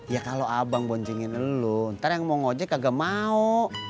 ya kalau abang boncengin lu ntar yang mau ngojek agak mau